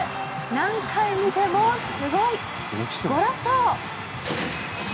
何回見てもすごい、ゴラッソ。